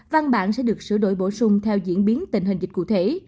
văn bản sẽ được sửa đổi bổ sung theo diễn biến tình hình dịch cụ thể